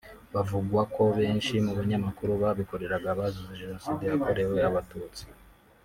bivugwa ko benshi mu banyamakuru babikoreraga bazize Jenoside yakorewe Abatutsi